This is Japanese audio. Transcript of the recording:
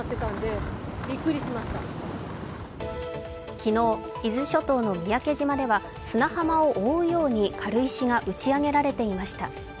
昨日、伊豆諸島の三宅島では砂浜を覆うように軽石が打ち上げられていました。